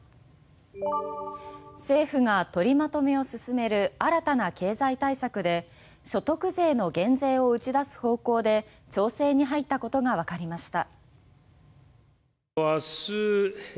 政府が取りまとめを進める新たな経済対策で所得税の減税を打ち出す方向で調整に入ったことがわかりました。